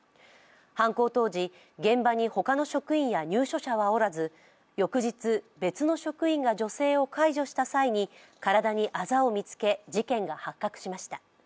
犯行当時、現場に他の職員や入所者はおらず翌日、別の職員が女性を介助した際に体にあざを見つけ、事件が発覚しました。